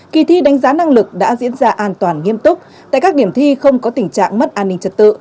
kỳ thi đánh giá năng lực đã diễn ra an toàn nghiêm túc tại các điểm thi không có tình trạng mất an ninh trật tự